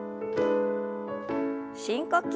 深呼吸。